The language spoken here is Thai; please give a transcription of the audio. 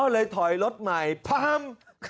อ๋อเลยถอยรถใหม่